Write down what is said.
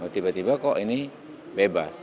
tiba tiba kok ini bebas